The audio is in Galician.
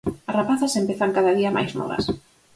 As rapazas empezan cada día máis novas.